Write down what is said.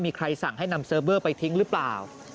มีใครสั่งให้นำเซิร์ฟเวอร์ไปทิ้งหรือเปล่า